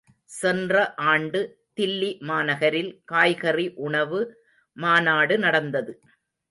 சென்ற ஆண்டு, தில்லி மாநகரில், காய்கறி உணவு மாநாடு நடந்தது.